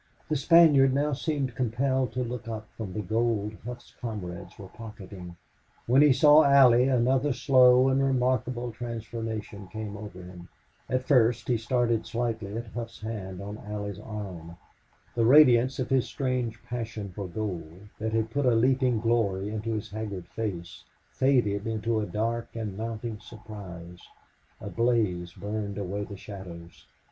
The Spaniard now seemed compelled to look up from the gold Hough's comrades were pocketing. When he saw Allie another slow and remarkable transformation came over him. At first he started slightly at Hough's hand on Allie's arm. The radiance of his strange passion for gold, that had put a leaping glory into his haggard face, faded into a dark and mounting surprise. A blaze burned away the shadows.